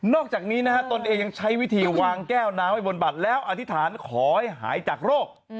อกจากนี้นะฮะตนเองยังใช้วิธีวางแก้วน้ำไว้บนบัตรแล้วอธิษฐานขอให้หายจากโรค